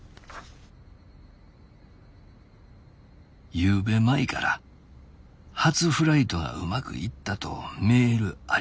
「昨夜舞から初フライトがうまくいったとメールあり。